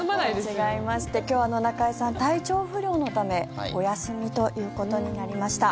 違いまして今日は中居さん体調不良のためお休みということになりました。